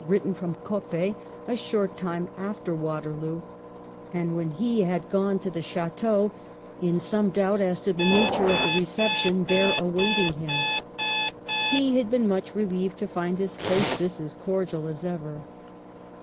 written from Coppet a short time after Waterloo, and when he had gone to the chateau in some doubt as to the nature of the reception there awaiting him. He had been much relieved to find his hostess as cordial as ever.